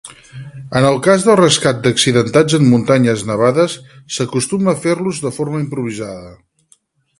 En el cas del rescat d'accidentats en muntanyes nevades s'acostuma a fer-los de forma improvisada.